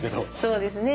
そうですね